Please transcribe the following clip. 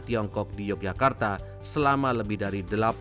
barang saluran berkualitas terlalu banyak atau jelaspl